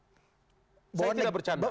saya tidak bercanda